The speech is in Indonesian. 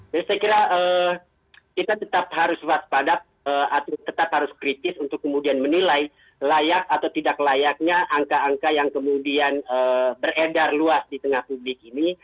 jadi saya kira kita tetap harus waspadat atau tetap harus kritis untuk kemudian menilai layak atau tidak layaknya angka angka yang kemudian beredar luas di tengah publik ini